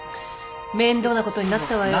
面倒なことになったわよ。